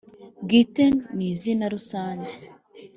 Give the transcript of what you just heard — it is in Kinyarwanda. bwite ni zina rusange